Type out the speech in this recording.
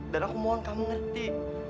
dan aku mohon kamu ngerti